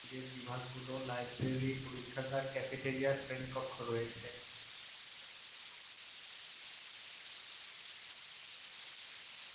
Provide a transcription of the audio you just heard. ভবনে কলেজের বিভাগগুলো, লাইব্রেরি, পরীক্ষাগার, ক্যাফেটেরিয়া, শ্রেণীকক্ষ রয়েছে।